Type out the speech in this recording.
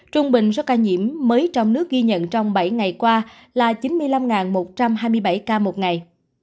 trung bình số ca nhiễm mới trong nước ghi nhận trong bảy ngày qua là chín mươi năm một trăm hai mươi bảy ca một ngày